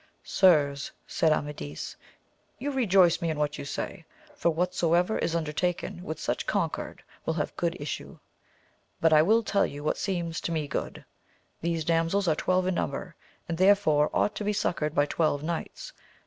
Sirs, said Amadis, you rejoice me in what you say ; for whatsoever is under taken with such concord will have good issue. But I will tell you what seems to me good : these damsels are twelve in number, and therefore ought to be suc coured by twelve knights.